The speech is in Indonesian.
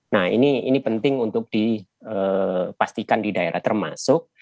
nah ini penting untuk dipastikan di daerah termasuk